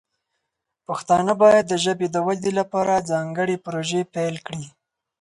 پښتانه باید د ژبې د ودې لپاره ځانګړې پروژې پیل کړي.